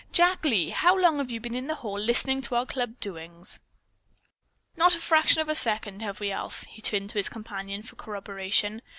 "Jack Lee, how long have you been out there in the hall listening to our club doings?" "Not a fraction of a second, have we, Alf?" he turned to his companion for corroboration.